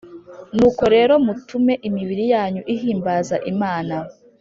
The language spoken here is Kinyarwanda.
Nuko rero mutume imibiri yanyu ihimbaza Imana